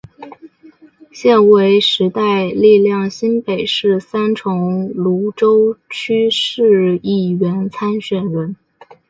现为时代力量新北市三重芦洲区市议员参选人。